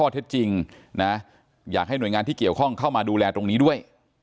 เดี๋ยวข้องเข้ามาดูแลตรงนี้ด้วย